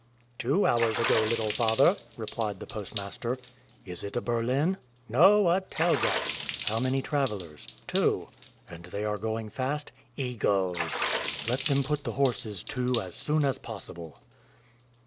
"Two hours ago, little father," replied the postmaster. "Is it a berlin?" "No, a telga." "How many travelers?" "Two." "And they are going fast?" "Eagles!" "Let them put the horses to as soon as possible."